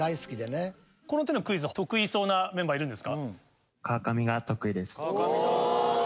この手のクイズ得意そうなメンバーいるんですか？